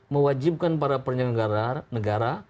mewajibkan para penyelenggara negara